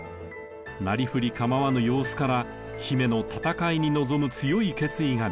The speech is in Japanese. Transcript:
なりふり構わぬ様子から姫の戦いに臨む強い決意が見えます。